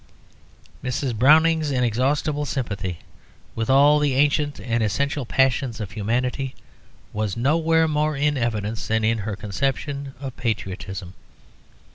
Mrs. Browning's inexhaustible sympathy with all the ancient and essential passions of humanity was nowhere more in evidence than in her conception of patriotism.